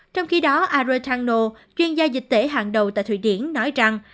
trong khi đó arretano chuyên gia dịch tễ hàng đầu tại thụy điển nói rằng